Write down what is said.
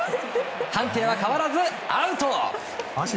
判定は変わらず、アウト！